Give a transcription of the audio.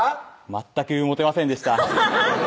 全くモテませんでした